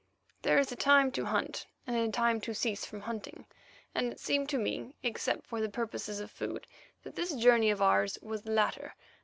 There is a time to hunt and a time to cease from hunting, and it seemed to me, except for the purposes of food, that this journey of ours was the latter.